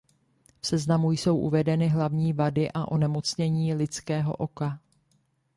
V seznamu jsou uvedeny hlavní vady a onemocnění lidského oka.